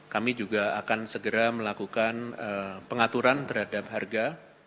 kami juga akan segera melakukan pengaturan terhadap harga